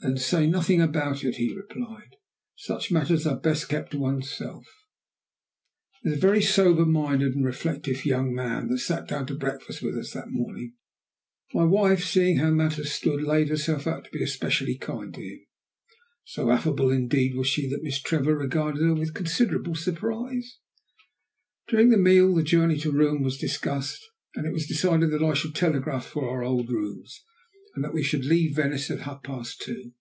"Then say nothing about it," he replied. "Such matters are best kept to one's self." It was a very sober minded and reflective young man that sat down to breakfast with us that morning. My wife, seeing how matters stood, laid herself out to be especially kind to him. So affable indeed was she, that Miss Trevor regarded her with considerable surprise. During the meal the journey to Rome was discussed, and it was decided that I should telegraph for our old rooms, and that we should leave Venice at half past two.